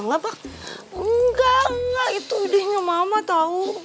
nggak nggak itu idenya mama tahu